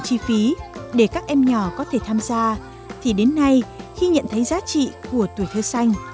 chi phí để các em nhỏ có thể tham gia thì đến nay khi nhận thấy giá trị của tuổi thơ xanh